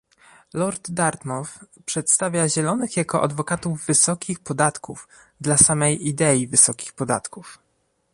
Lord Dartmouth przedstawia Zielonych jako adwokatów wysokich podatków dla samej idei wysokich podatków